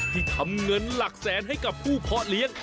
ที่ทำเงินหลักแสนให้กับผู้เพาะเลี้ยง